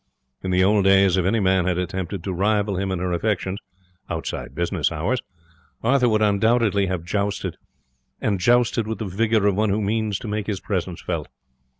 In the old days, if any man had attempted to rival him in her affections (outside business hours), Arthur would undoubtedly have jousted and jousted with the vigour of one who means to make his presence felt.